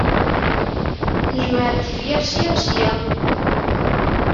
Njemmeɛ-d tifyar ssya u ssya.